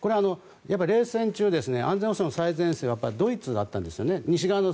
冷戦中、安全保障の最前線はドイツだったんですね。